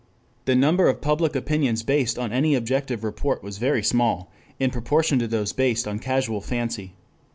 The number of public opinions based on any objective report was very small in proportion to those based on casual fancy.